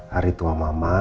hari tua mama